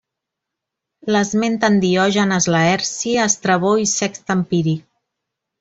L'esmenten Diògenes Laerci, Estrabó i Sext Empíric.